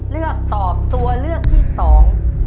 แล้วออกไปซึ่ง